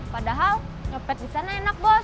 padahal nyopet di sana enak bos